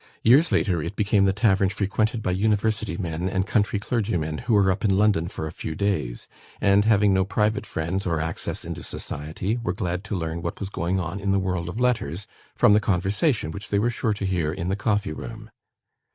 Years later, it became the tavern frequented by university men and country clergymen, who were up in London for a few days, and, having no private friends or access into society, were glad to learn what was going on in the world of letters, from the conversation which they were sure to hear in the Coffee room.